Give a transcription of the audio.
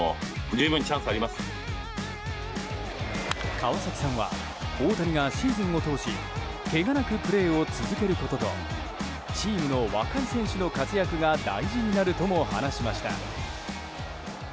川崎さんは大谷がシーズンを通しけが無くプレーを続けることとチームの若い選手の活躍が大事になるとも話しました。